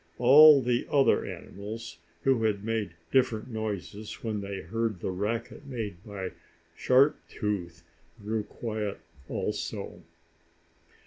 All the other animals who had made different noises when they heard the racket made by Sharp Tooth, grew quiet also.